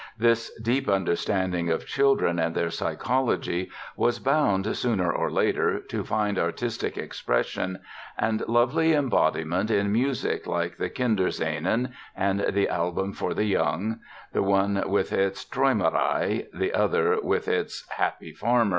This deep understanding of children and their psychology was bound, sooner or later, to find artistic expression and lovely embodiment in music like the "Kinderscenen" and the "Album for the Young", the one with its "Träumerei", the other with its "Happy Farmer".